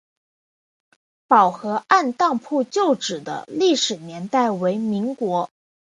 宝和按当铺旧址的历史年代为民国。